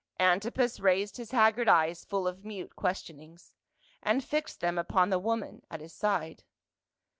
Antipas raised his haggard eyes full of mute ques tionings, and fixed them upon the woman at his side.